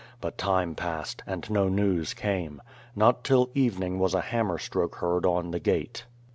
But time passed, and no news came. Not till evening was a hammer stroke heard on the gate.